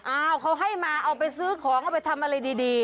อ้าวเขาให้มาเอาไปซื้อของเอาไปทำอะไรดี